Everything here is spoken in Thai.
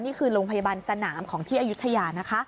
นี่คือโรงพยาบาลสนามของที่อายุทยานะคะ